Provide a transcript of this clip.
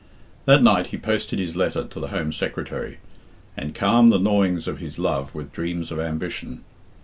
That night he posted his letter to the Home Secretary, and calmed the gnawings of his love with dreams of ambition.